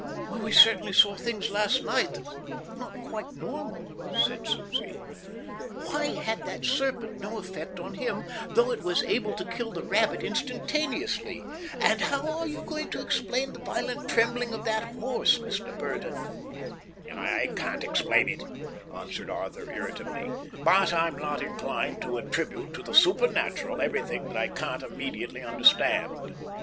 "We certainly saw things last night that were not quite normal," said Susie. "Why had that serpent no effect on him though it was able to kill the rabbit instantaneously? And how are you going to explain the violent trembling of that horse, Mr. Burdon?" "I can't explain it," answered Arthur, irritably, "but I'm not inclined to attribute to the supernatural everything that I can't immediately understand."